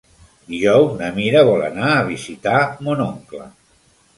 Dijous na Mira vol anar a visitar mon oncle.